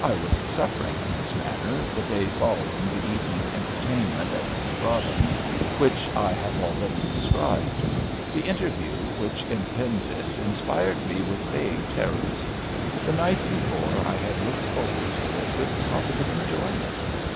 I was suffering in this manner the day following the evening entertainment at Lady Broadhem's, which I have already described. The interview which impended inspired me with vague terrors. The night before I had looked forward to it with positive enjoyment.